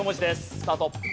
スタート。